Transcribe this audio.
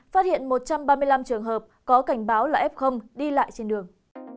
phát hiện một trăm ba mươi năm trường hợp có cảnh báo là f đi lại trên đường